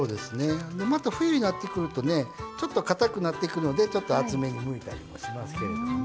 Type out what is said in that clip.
また冬になってくるとちょっと、かたくなってくるのでちょっと厚めにむいたりもしますね。